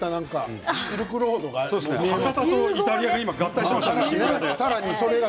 博多とイタリアが今合体しましたね。